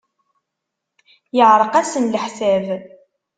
Yeɛreq-asen leḥsab.